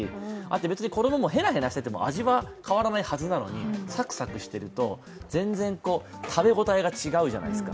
別に衣もヘラヘラしていてもあじが変わらないはずなのに、サクサクしていると全然、食べ応えが違うじゃないですか。